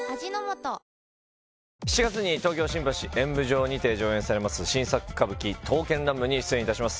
７月に東京・新橋演舞場にて上演されます新作歌舞伎「刀剣乱舞」に出演いたします